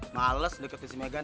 males deketin si megan